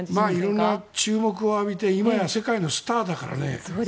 色んな注目を浴びて今や世界のスターだからね。